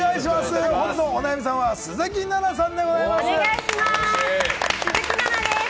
本日のお悩みさんは鈴木奈々さんでございます。